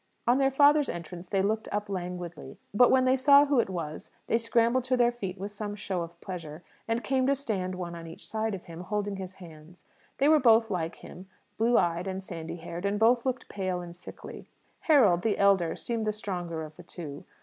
On their father's entrance, they looked up languidly; but when they saw who it was, they scrambled to their feet with some show of pleasure, and came to stand one on each side of him, holding his hands. They were both like him, blue eyed and sandy haired, and both looked pale and sickly. Harold, the elder, seemed the stronger of the two.